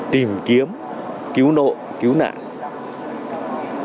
tìm kiếm cứu nộ cứu nạn